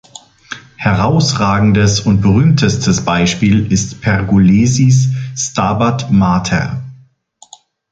Herausragendes und berühmtestes Beispiel ist Pergolesis "Stabat Mater.